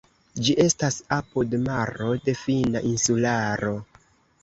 Ĝi estas apud maro de finna insularo.